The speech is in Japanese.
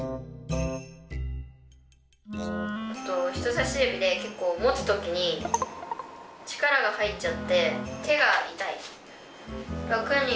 人さし指で結構持つ時に力が入っちゃって手が痛い。